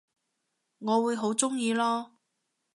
我會好鍾意囉